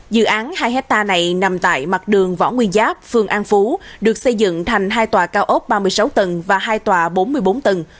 dự án hai hectare này nằm tại mặt đường võ nguyên giáp phương an phú được xây dựng thành hai tòa cao ốc ba mươi sáu tầng và hai tòa bốn mươi bốn tầng